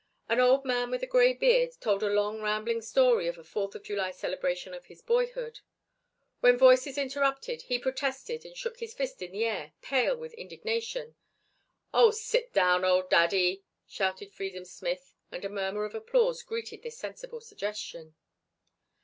An old man with a grey beard told a long rambling story of a Fourth of July celebration of his boyhood. When voices interrupted he protested and shook his fist in the air, pale with indignation. "Oh, sit down, old daddy," shouted Freedom Smith and a murmur of applause greeted this sensible suggestion.